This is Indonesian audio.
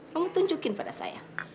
kamu tunjukin pada saya